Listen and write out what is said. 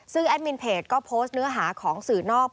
ซึ่งแอดมินเพจก็โพสต์เนื้อหาของสื่อนอก